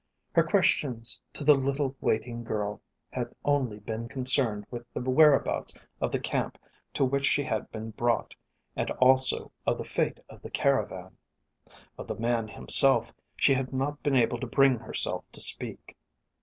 Her questions to the little waiting girl had only been concerned with the whereabouts of the camp to which she had been brought and also of the fate of the caravan; of the man himself she had not been able to bring herself to speak.